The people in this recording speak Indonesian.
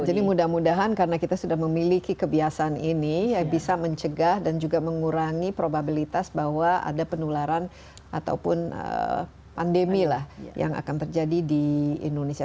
jadi mudah mudahan karena kita sudah memiliki kebiasaan ini bisa mencegah dan juga mengurangi probabilitas bahwa ada penularan ataupun pandemi lah yang akan terjadi di indonesia